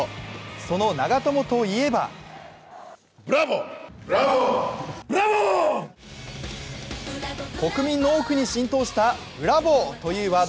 その長友といえば国民の多くに浸透したブラボー！というワード。